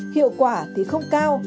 hiệu quả thì không cao